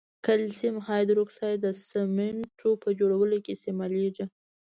کلسیم هایدروکساید د سمنټو په جوړولو کې استعمالیږي.